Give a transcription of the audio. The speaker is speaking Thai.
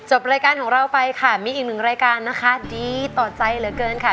รายการของเราไปค่ะมีอีกหนึ่งรายการนะคะดีต่อใจเหลือเกินค่ะ